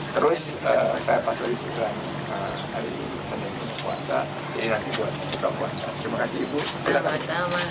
terima kasih ibu silakan